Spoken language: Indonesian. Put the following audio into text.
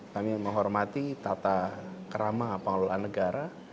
kami menghormati tata kerama pengelolaan negara